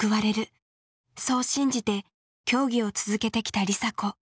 そう信じて競技を続けてきた梨紗子。